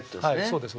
そうです。